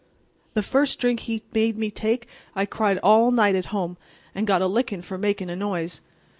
The first drink he made me take I cried all night at home, and got a lickin' for makin' a noise.